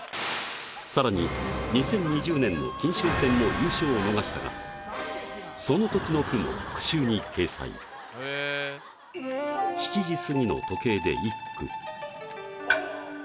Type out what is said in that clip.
更に２０２０年の金秋戦も優勝を逃したがその時の句も句集に掲載あるんです。